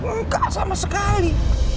enggak sama sekali